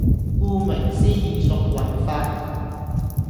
顧名思義屬違法